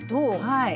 はい。